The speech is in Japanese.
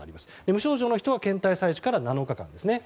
無症状の人は検体採取から７日間ですね。